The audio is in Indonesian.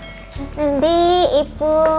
mas randy ibu